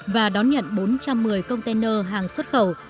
và đón nhận bốn trăm một mươi container hàng xuất khẩu